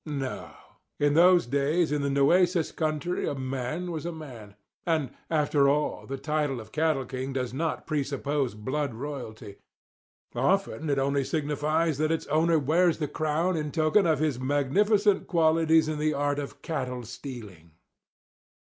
No. In those days in the Nueces country a man was a man. And, after all, the title of cattle king does not presuppose blood royalty. Often it only signifies that its owner wears the crown in token of his magnificent qualities in the art of cattle stealing.